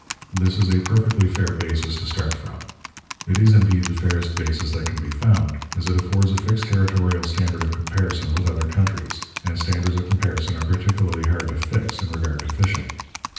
This is a perfectly fair basis to start from. It is, indeed, the fairest basis that can be found, as it affords a fixed territorial standard of comparison with other countries; and standards of comparison are particularly hard to fix in regard to fishing.